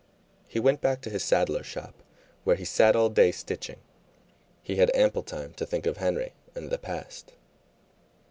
He went back to his saddler shop, where he sat all day stitching. He had ample time to think of Henry and the past.